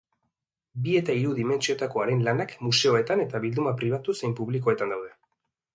Bi eta hiru dimentsiotako haren lanak museoetan eta bilduma pribatu zein publikoetan daude.